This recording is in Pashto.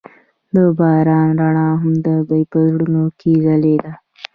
د باران رڼا هم د دوی په زړونو کې ځلېده.